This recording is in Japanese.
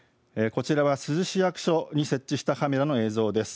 こちらは珠洲市役所に設置したカメラの映像です。